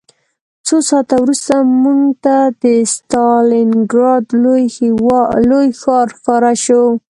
څو ساعته وروسته موږ ته د ستالینګراډ لوی ښار ښکاره شو